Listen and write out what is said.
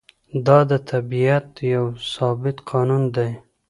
دا د طبیعت یو ثابت قانون دی.